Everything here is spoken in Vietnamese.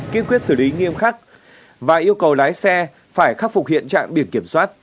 kiên quyết xử lý nghiêm khắc và yêu cầu lái xe phải khắc phục hiện trạng biển kiểm soát